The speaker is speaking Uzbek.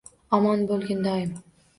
Omon bo’lgin doim